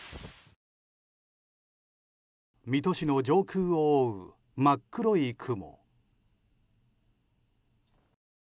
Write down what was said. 水戸市の上空を覆う真っ黒い雲。